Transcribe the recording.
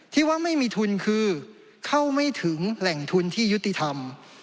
ที่ว่าไม่มีทุนคือเข้าไม่ถึงแหล่งทุนที่ยุติธรรม